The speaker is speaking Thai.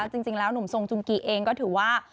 จริงแล้วหนุ่มทรงจุมกีเองก็ถือว่า